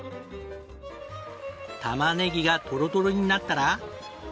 たまねぎがトロトロになったら。